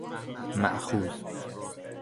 مأخوذ